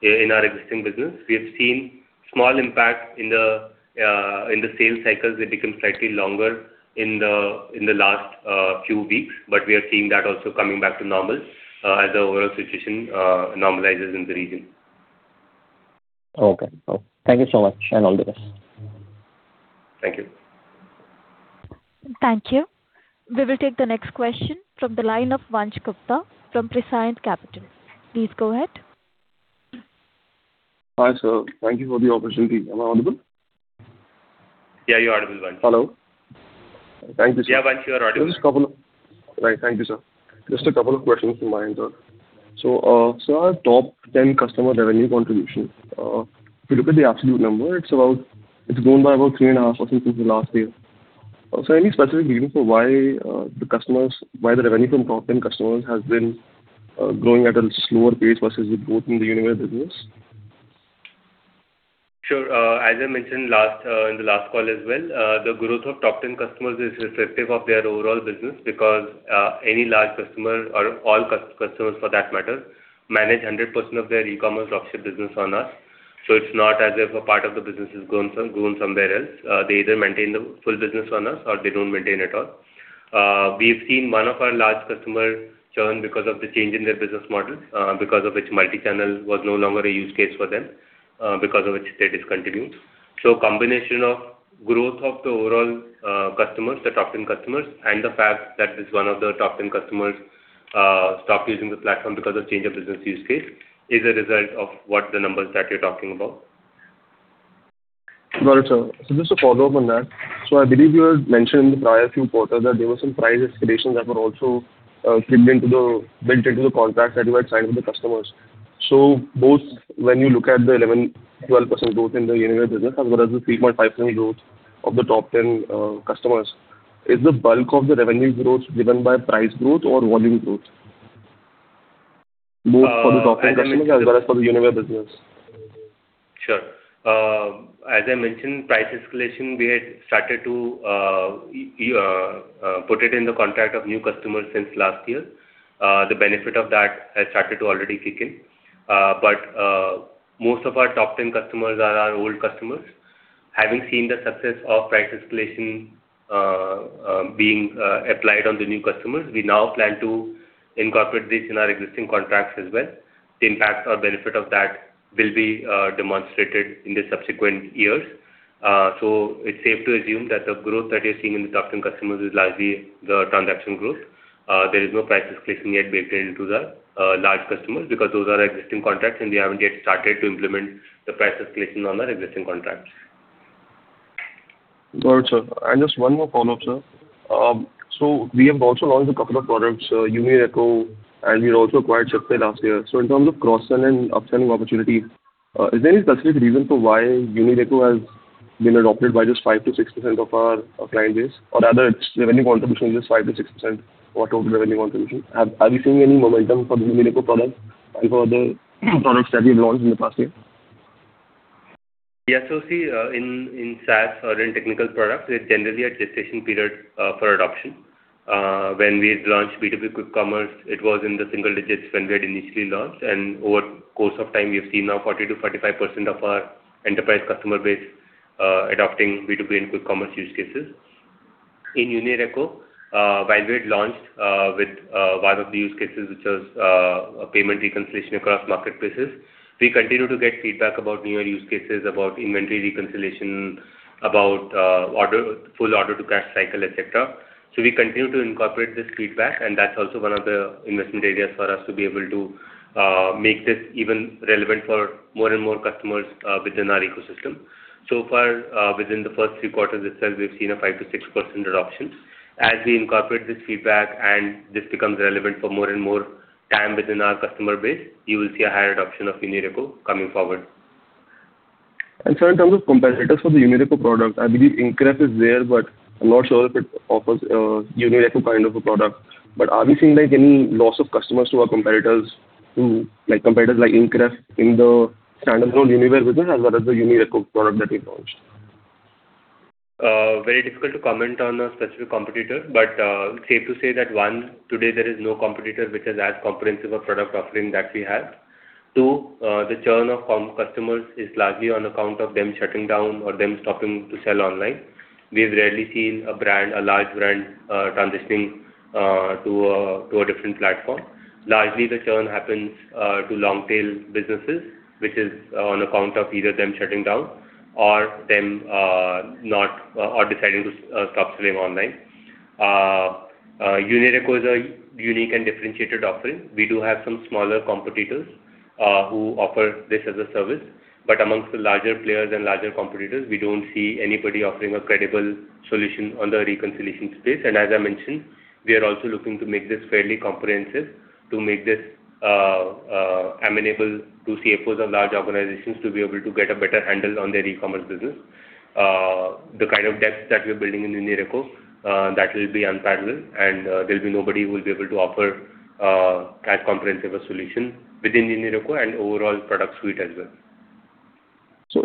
In our existing business, we have seen small impact in the sales cycles. They become slightly longer in the last few weeks, but we are seeing that also coming back to normal as the overall situation normalizes in the region. Okay. Thank you so much, and all the best. Thank you. Thank you. We will take the next question from the line of Vansh Gupta from Prescient Capital. Please go ahead. Hi, sir. Thank you for the opportunity. Am I audible? Yeah, you're audible, Vansh. Hello. Thank you, sir. Yeah, Vansh, you are audible. Thank you, sir. Just a couple of questions from my end, sir. Sir, our top 10 customer revenue contribution, if you look at the absolute number, it's grown by about 3.5% since last year. Any specific reason for why the revenue from top 10 customers has been growing at a slower pace versus the growth in the Uniware business? Sure. As I mentioned last, in the last call as well, the growth of top 10 customers is reflective of their overall business because, any large customer or all customers for that matter, manage 100% of their e-commerce dropship business on us. It's not as if a part of the business has gone somewhere else. They either maintain the full business on us or they don't maintain at all. We've seen one of our large customers churn because of the change in their business model, because of which multi-channel was no longer a use case for them, because of which they discontinued. Combination of growth of the overall customers, the top ten customers, and the fact that this one of the top ten customers stopped using the platform because of change of business use case is a result of what the numbers that you're talking about. Got it, sir. Just a follow-up on that. I believe you had mentioned in the prior few quarters that there were some price escalations that were also built into the contract that you had signed with the customers. Both when you look at the 11%-12% growth in the Uniware business as well as the 3.59% growth of the top 10 customers, is the bulk of the revenue growth driven by price growth or volume growth? Both for the top 10 customers as well as for the Uniware business. Sure. As I mentioned, price escalation, we had started to put it in the contract of new customers since last year. The benefit of that has started to already kick in. Most of our top 10 customers are our old customers. Having seen the success of price escalation, being applied on the new customers, we now plan to incorporate this in our existing contracts as well. The impact or benefit of that will be demonstrated in the subsequent years. It's safe to assume that the growth that you're seeing in the top 10 customers is largely the transaction growth. There is no price escalation yet baked into the large customers because those are existing contracts, and we haven't yet started to implement the price escalation on our existing contracts. Got it, sir. Just one more follow-up, sir. We have also launched a couple of products, UniReco, and we had also acquired Shipway last year. In terms of cross-sell and upselling opportunity, is there any specific reason for why UniReco has been adopted by just 5%-6% of our client base? Or rather, its revenue contribution is just 5%-6% of total revenue contribution. Are we seeing any momentum for the UniReco product and for the products that we've launched in the past year? Yeah. See, in SaaS or in technical products, there's generally a gestation period for adoption. When we had launched B2B quick commerce, it was in the single digits when we had initially launched, and over course of time, we have seen now 40%-45% of our enterprise customer base adopting B2B and quick commerce use cases. In UniReco, while we had launched with one of the use cases, which was a payment reconciliation across marketplaces, we continue to get feedback about newer use cases, about inventory reconciliation, about order, full order to cash cycle, etc. We continue to incorporate this feedback, and that's also one of the investment areas for us to be able to make this even relevant for more and more customers within our ecosystem. So far, within the first three quarters itself, we've seen a 5%-6% adoption. As we incorporate this feedback and this becomes relevant for more and more TAM within our customer base, you will see a higher adoption of UniReco coming forward. Sir, in terms of competitors for the UniReco product, I believe InCred is there, but I'm not sure if it offers a UniReco kind of a product. Are we seeing, like, any loss of customers to our competitors like competitors like InCred in the standalone Uniware business as well as the UniReco product that we've launched? Very difficult to comment on a specific competitor, but safe to say that, one, today there is no competitor which has as comprehensive a product offering that we have. Two, the churn of customers is largely on account of them shutting down or them stopping to sell online. We've rarely seen a brand, a large brand, transitioning to a different platform. Largely, the churn happens to long-tail businesses, which is on account of either them shutting down or deciding to stop selling online. UniReco is a unique and differentiated offering. We do have some smaller competitors who offer this as a service. Amongst the larger players and larger competitors, we don't see anybody offering a credible solution on the reconciliation space. As I mentioned, we are also looking to make this fairly comprehensive, amenable to CFOs of large organizations to be able to get a better handle on their e-commerce business. The kind of depth that we're building in UniReco that will be unparalleled, and there'll be nobody who will be able to offer that comprehensive a solution within UniReco and overall product suite as well.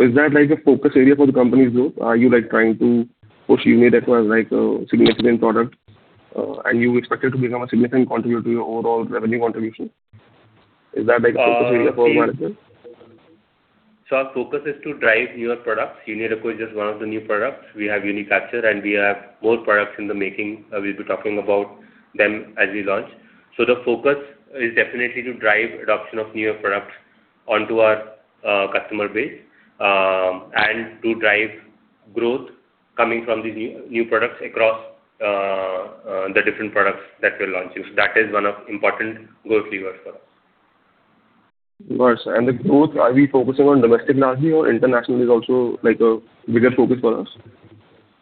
Is that, like, a focus area for the company's growth? Are you, like, trying to push UniReco as, like, a significant product? You expect it to become a significant contributor to your overall revenue contribution? Is that, like, a focus area for management? Our focus is to drive newer products. UniReco is just one of the new products. We have UniCapture, and we have more products in the making. We'll be talking about them as we launch. The focus is definitely to drive adoption of newer products onto our customer base, and to drive growth coming from the new products across the different products that we're launching. That is one of important growth levers for us. Got it. The growth, are we focusing on domestic largely or international is also, like, a bigger focus for us?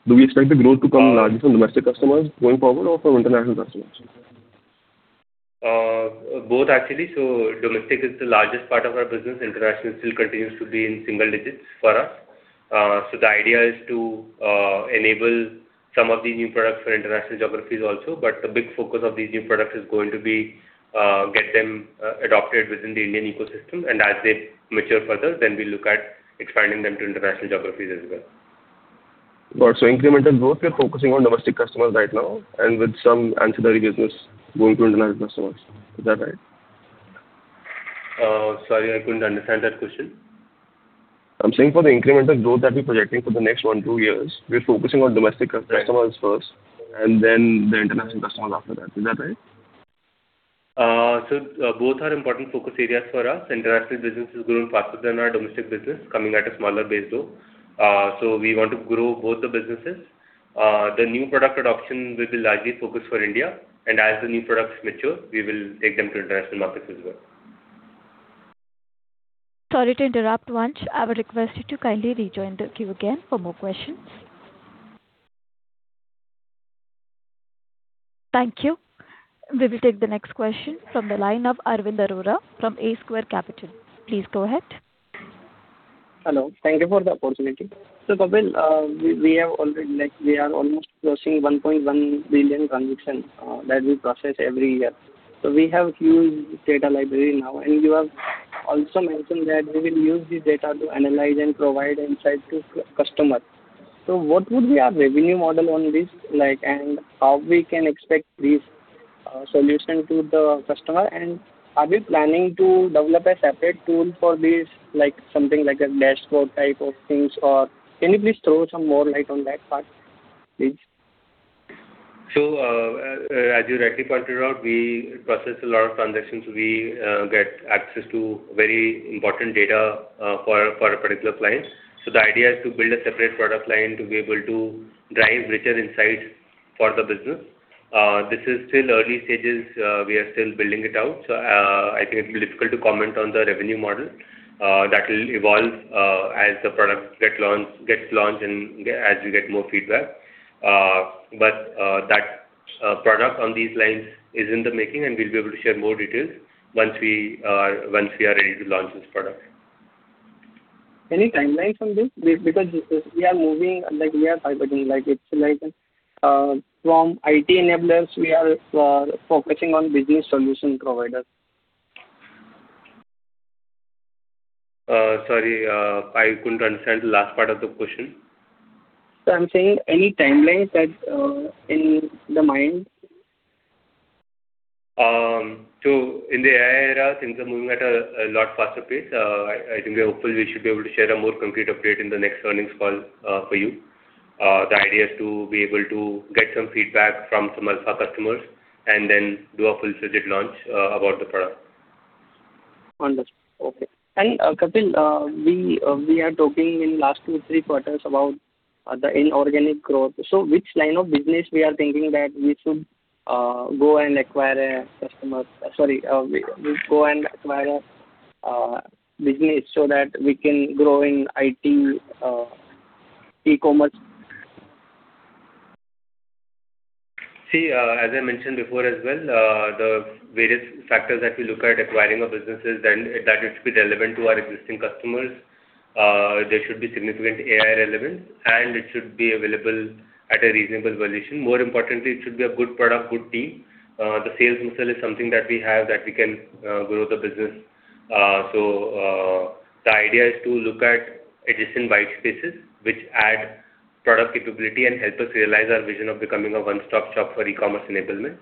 Do we expect the growth to come largely from domestic customers going forward or from international customers? Both actually. Domestic is the largest part of our business. International still continues to be in single digits for us. The idea is to enable some of these new products for international geographies also, but the big focus of these new products is going to be get them adopted within the Indian ecosystem, and as they mature further, then we look at expanding them to international geographies as well. Got it. Incremental growth, we're focusing on domestic customers right now and with some ancillary business going to international customers. Is that right? Sorry, I couldn't understand that question. I'm saying for the incremental growth that we're projecting for the next one to two years, we're focusing on domestic customers first and then the international customers after that. Is that right? Both are important focus areas for us. International business is growing faster than our domestic business, coming at a smaller base, though. We want to grow both the businesses. The new product adoption will be largely focused for India, and as the new products mature, we will take them to international markets as well. Sorry to interrupt, Vansh. I would request you to kindly rejoin the queue again for more questions. Thank you. We will take the next question from the line of Arvind Arora from A Square Capital. Please go ahead. Hello. Thank you for the opportunity. Kapil, we are almost crossing 1.1 billion transactions that we process every year. We have huge data library now, and you have also mentioned that we will use this data to analyze and provide insights to customers. What would be our revenue model on this, like, and how we can expect this solution to the customer? Are we planning to develop a separate tool for this, like something like a dashboard type of things, or can you please throw some more light on that part, please? As you rightly pointed out, we process a lot of transactions. We get access to very important data for a particular client. The idea is to build a separate product line to be able to drive richer insights for the business. This is still early stages. We are still building it out. I think it'll be difficult to comment on the revenue model. That will evolve as the product gets launched and as we get more feedback. But that product on these lines is in the making, and we'll be able to share more details once we are ready to launch this product. Any timeline from this? Because we are moving, like we are pivoting, like it's like, from IT enablers, we are focusing on business solution providers. Sorry, I couldn't understand the last part of the question. I'm saying any timelines that you have in mind? In the AI era, things are moving at a lot faster pace. I think we're hopeful we should be able to share a more concrete update in the next earnings call for you. The idea is to be able to get some feedback from some of our customers and then do a full-fledged launch about the product. Understood. Okay. Kapil, we are talking in the last two-three quarters about the inorganic growth. Which line of business are we thinking that we should go and acquire business so that we can grow in IT e-commerce? See, as I mentioned before as well, the various factors that we look at acquiring a business is then that it should be relevant to our existing customers. There should be significant AI relevance, and it should be available at a reasonable valuation. More importantly, it should be a good product, good team. The sales muscle is something that we have that we can grow the business. The idea is to look at adjacent white spaces which add product capability and help us realize our vision of becoming a one-stop shop for e-commerce enablement.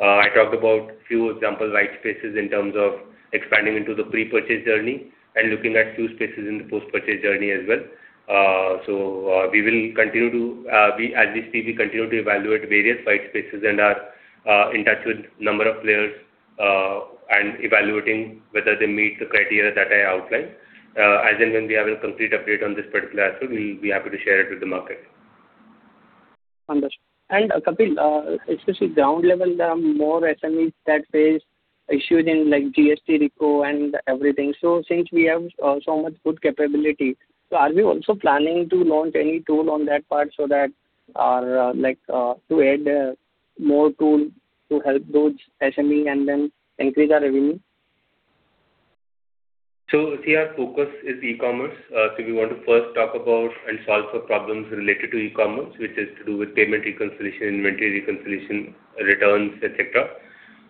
I talked about few example white spaces in terms of expanding into the pre-purchase journey and looking at few spaces in the post-purchase journey as well. We will continue to we. As we speak, we continue to evaluate various white spaces and are in touch with number of players and evaluating whether they meet the criteria that I outlined. As and when we have a complete update on this particular aspect, we'll be happy to share it with the market. Understood. Kapil, especially ground level, there are more SMEs that face issues in, like, GST, Recon, and everything. Since we have so much good capability, are we also planning to launch any tool on that part so that, like, to add more tool to help those SMEs and then increase our revenue? See, our focus is e-commerce. We want to first talk about and solve for problems related to e-commerce, which is to do with payment reconciliation, inventory reconciliation, returns, et cetera.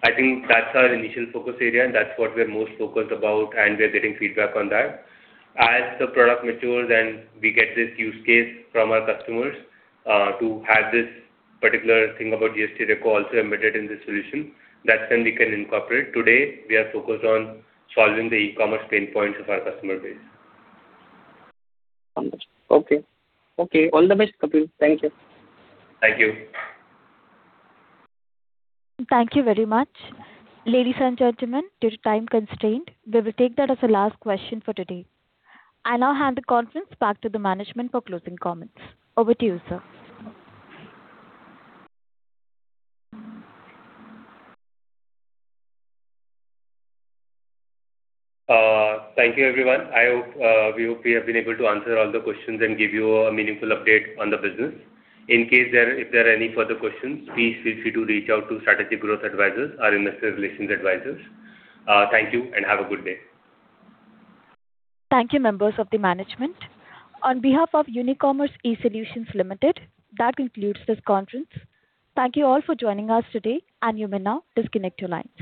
I think that's our initial focus area, and that's what we're most focused about, and we are getting feedback on that. As the product matures and we get this use case from our customers, to have this particular thing about GST, Recon also embedded in the solution, that's when we can incorporate. Today, we are focused on solving the e-commerce pain points of our customer base. Understood. Okay. All the best, Kapil. Thank you. Thank you. Thank you very much. Ladies and gentlemen, due to time constraint, we will take that as the last question for today. I now hand the conference back to the management for closing comments. Over to you, sir. Thank you, everyone. I hope, we hope we have been able to answer all the questions and give you a meaningful update on the business. In case there are any further questions, please feel free to reach out to Strategic Growth Advisors, our investor relations advisors. Thank you, and have a good day. Thank you, members of the management. On behalf of Unicommerce eSolutions Limited, that concludes this conference. Thank you all for joining us today, and you may now disconnect your lines.